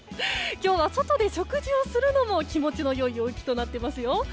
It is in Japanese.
今日は外で食事をするのも気持ちの良い陽気となっていますよ。